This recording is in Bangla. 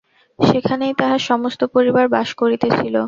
সেখানেই তাঁহার সমস্ত পরিবার বাস করিতেছিল।